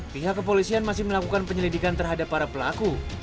pihak kepolisian masih melakukan penyelidikan terhadap para pelaku